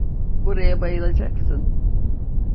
Buraya bayılacaksın.